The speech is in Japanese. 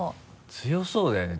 強そうだよね